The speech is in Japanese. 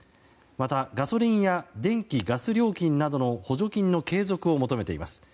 またガソリンや電気、ガス料金などの補助金の継続を求めています。